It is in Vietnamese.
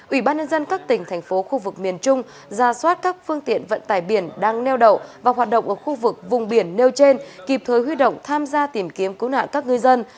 ủy ban nhân dân các tỉnh thành phố khu vực miền trung ra soát các phương tiện vận tải biển đang neo đậu và hoạt động ở khu vực vùng biển nêu trên kịp thời huy động tham gia tìm kiếm cứu nạn các ngư dân